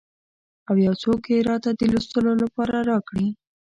او یو څوک یې راته د لوستلو لپاره راکړي.